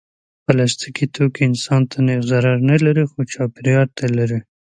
پلاستيکي توکي انسان ته نېغ ضرر نه لري، خو چاپېریال ته لري.